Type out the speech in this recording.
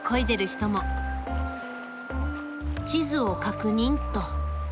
地図を確認っと。